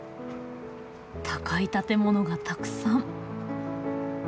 高い建物がたくさん。